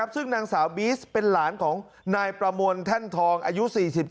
ซึ่งนางสาวบีสเป็นหลานของนายประมวลแท่นทองอายุ๔๗